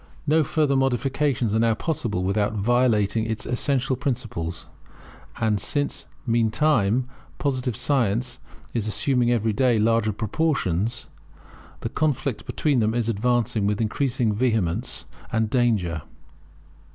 No further modifications are now possible without violating its essential principles; and since, meantime, Positive science is assuming every day larger proportions, the conflict between them is advancing with increasing vehemence and danger.